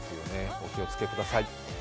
お気を付けください。